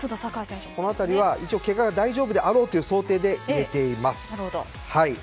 この辺りはけがが大丈夫であろうという想定で入れています。